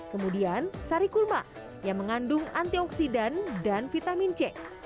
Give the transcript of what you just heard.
kemudian sari kulma yang mengandung antioksidan dan vitamin c